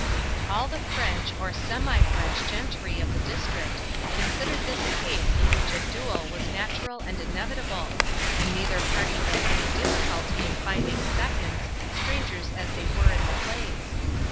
All the French or semi French gentry of the district considered this a case in which a duel was natural and inevitable, and neither party had any difficulty in finding seconds, strangers as they were in the place.